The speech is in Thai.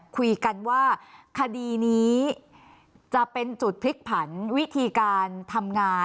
คุยกันว่าคดีนี้จะเป็นจุดพลิกผันวิธีการทำงาน